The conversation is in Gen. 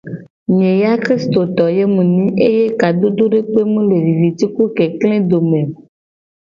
Nye ya kristoto mu nyi eye kadodo dekpe mu le viviti ku kekle dome o.